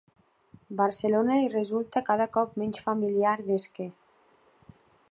Barcelona li resulta cada cop menys familiar des que.